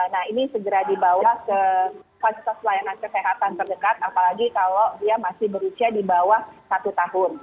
nah ini segera dibawa ke fasilitas pelayanan kesehatan terdekat apalagi kalau dia masih berusia di bawah satu tahun